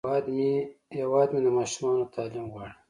هیواد مې د ماشومانو تعلیم غواړي